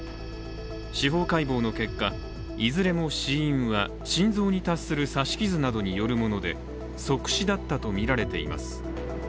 司法解剖の結果、いずれも死因は心臓に達する刺し傷などによるもので即死だったとみられています。